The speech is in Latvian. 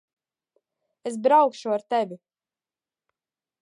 Es braukšu ar tevi.